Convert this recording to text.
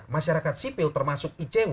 masyarakat sipil termasuk icw